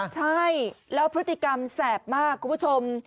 ใช่แล้วพฤติกรรมแสบมากคุณผู้ชม